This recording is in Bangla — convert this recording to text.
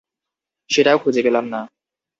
সেটাও খুজে পেলাম না।